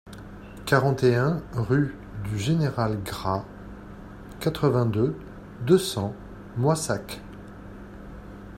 quarante et un rue du Général Gras, quatre-vingt-deux, deux cents, Moissac